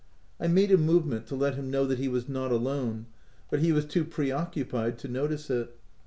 I made a movement to let him know that he was not alone ; but he was too pre occupied to notice it.